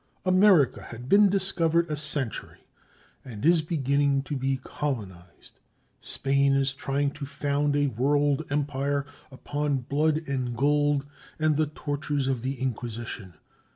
America had been discovered a century and is beginning to be colonized. Spain is trying to found a world empire upon blood and gold and the tortures of the Inquisition.